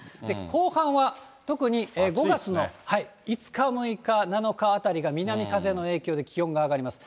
後半は、特に５月の５日、６日、７日あたりが南風の影響で、気温が上がります。